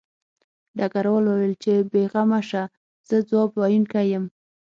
ډګروال وویل چې بې غمه شه زه ځواب ویونکی یم